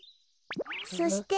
そして。